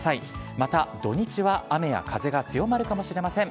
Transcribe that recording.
また、土日は雨や風が強まるかもしれません。